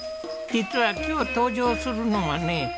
実は今日登場するのはね